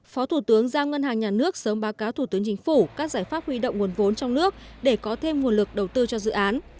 phó thủ tướng giao ngân hàng nhà nước sớm báo cáo thủ tướng chính phủ các giải pháp huy động nguồn vốn trong nước để có thêm nguồn lực đầu tư cho dự án